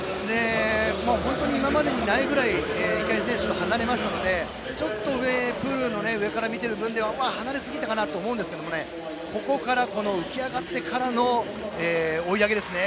本当に今までにないくらい池江選手と離れましたのでプールの上から見ている分では離れすぎかなと思いましたが浮き上がってからの追い上げですね。